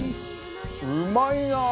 うまいなあ！